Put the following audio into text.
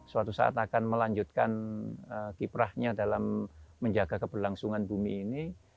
suatu saat akan melanjutkan kiprahnya dalam menjaga keberlangsungan bumi ini